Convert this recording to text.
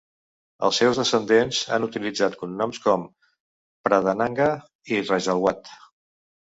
Els seus descendents han utilitzat cognoms com Pradhananga i Rajalwat.